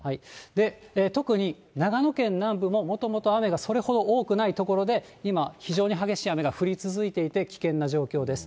特に長野県南部ももともと雨がそれほど多くない所で、今、非常に激しい雨が降り続いていて、危険な状況です。